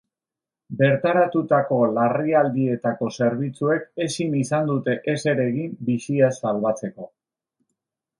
Bertaratutako larrialdietako zerbitzuek ezin izan dute ezer egin bizia salbatzeko.